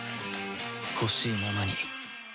ほしいままに